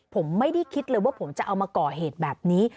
ผมไม่ได้คิดเลยว่าผมจะเอามาก่อเหตุแบบนี้